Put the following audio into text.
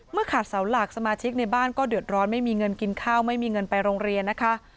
ขาดเสาหลักสมาชิกในบ้านก็เดือดร้อนไม่มีเงินกินข้าวไม่มีเงินไปโรงเรียนนะคะ